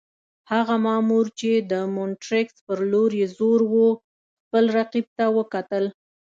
هغه مامور چې د مونټریکس پر لور یې زور وو، خپل رقیب ته وکتل.